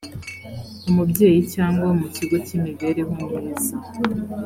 umubyeyi cyangwa mu kigo cy imibereho myiza